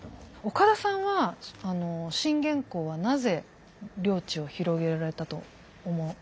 岡田さんはあの信玄公はなぜ領地を広げられたと思ってます？